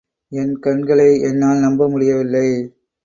என் கண்களை என்னால் நம்ப முடியவில்லை.